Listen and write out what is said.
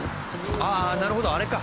ああなるほどあれか。